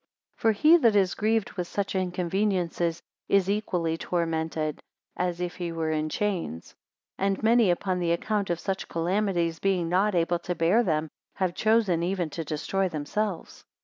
26 For he that is grieved with such inconveniencies is equally tormented, as if he were in chains. And many upon the account of such calamities, being not able to bear them, have chosen even to destroy themselves.